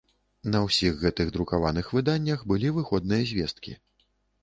На ўсіх гэтых друкаваных выданнях былі выходныя звесткі.